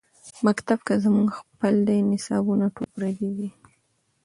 مکتب کۀ زمونږ خپل دے نصابونه ټول پردي دي